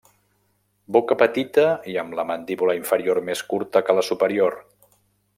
Boca petita i amb la mandíbula inferior més curta que la superior.